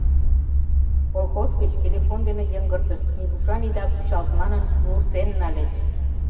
— Колхоз гыч телефон дене йыҥгыртышт — нигушан ида кучалт манын, вурсен нальыч.